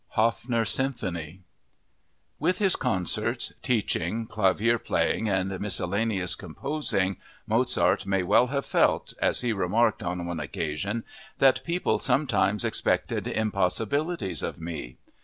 "Haffner" Symphony With his concerts, teaching, clavier playing, and miscellaneous composing Mozart may well have felt, as he remarked on one occasion, that "people sometimes expected impossibilities of me."